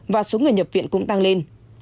và số người nhập viện cũng tăng lên